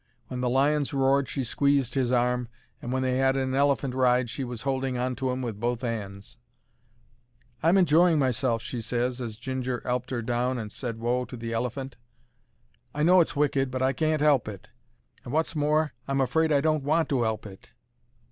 When the lions roared she squeezed his arm, and when they 'ad an elephant ride she was holding on to 'im with both 'ands. "I am enjoying myself," she ses, as Ginger 'elped her down and said "whoa" to the elephant. "I know it's wicked, but I can't 'elp it, and wot's more, I'm afraid I don't want to 'elp it."